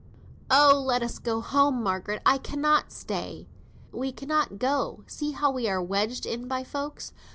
"Oh! let us go home, Margaret; I cannot stay." "We cannot go! See how we are wedged in by folks.